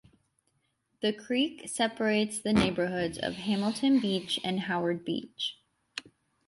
The creek separates the neighborhoods of Hamilton Beach and Howard Beach.